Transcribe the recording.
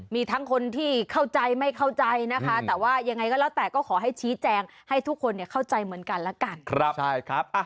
มีทั้งคนที่เข้าใจไม่เข้าใจนะคะแต่ว่ายังไงก็แล้วแต่ก็ขอให้ชี้แจงให้ทุกคนเข้าใจเหมือนกันแล้วกัน